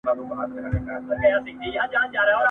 اوس که زما منۍ را ټول یې کړی تخمونه..